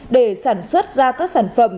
để sản xuất ra các sản phẩm